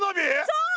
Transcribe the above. そう！